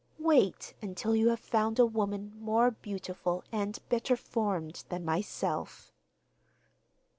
Wait until you have found a woman more beautiful and better formed than myself.